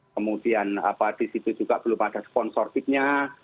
kemudian di situ juga belum ada sponsor tip nya